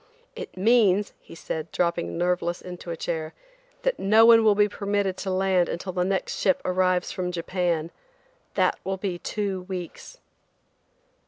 "It means," he said, dropping nerveless into a chair, "that no one will be permitted to land until the next ship arrives from Japan. That will be two weeks."